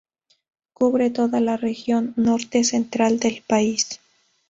Cubre toda la región norte central del país.